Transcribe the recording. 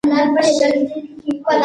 څنګه حضوري زده کړه د ټولګي نظم ساتي؟